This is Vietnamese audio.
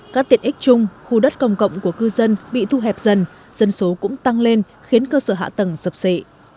các tiện ích chung khu đất công cộng của cư dân bị thu hẹp dần dân số cũng tăng lên khiến cơ sở hạ tầng sập sệ